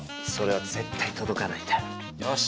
それは絶対届かないんだよ。